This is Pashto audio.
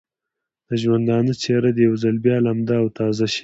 د ژوندانه څېره دې یو ځل بیا لمده او تازه شي.